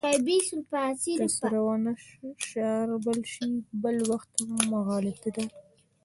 که سره ونه شاربل شي بل وخت مغالطه ده.